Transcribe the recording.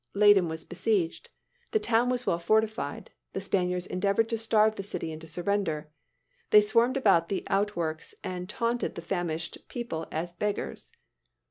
Leyden was besieged. The town was well fortified. The Spaniards endeavored to starve the city into surrender. They swarmed about the outworks and taunted the famished people as "beggars."